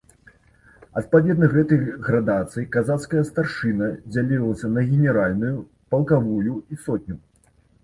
Адпаведна гэтай градацыі, казацкая старшына дзялілася на генеральную, палкавую і сотню.